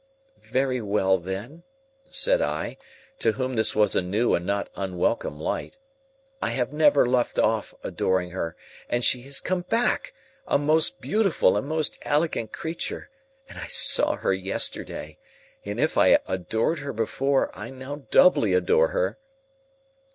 "Very well, then," said I, to whom this was a new and not unwelcome light, "I have never left off adoring her. And she has come back, a most beautiful and most elegant creature. And I saw her yesterday. And if I adored her before, I now doubly adore her."